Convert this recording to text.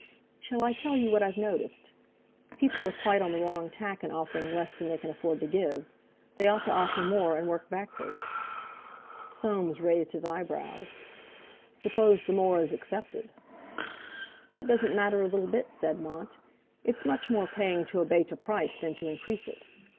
"Shall I tell you what I've noticed: People are quite on the wrong tack in offering less than they can afford to give; they ought to offer more, and work backward." Soames raised his eyebrows. "Suppose the more is accepted?" "That doesn't matter a little bit," said Mont; "it's much more paying to abate a price than to increase it.